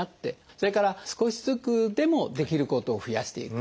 それから少しずつでもできることを増やしていく。